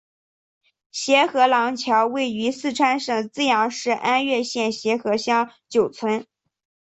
协和廊桥位于四川省资阳市安岳县协和乡九村。